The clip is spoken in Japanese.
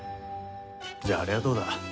じゃああれはどうだ。